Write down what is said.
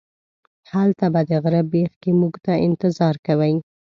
هلته به د غره بیخ کې موږ ته انتظار کوئ.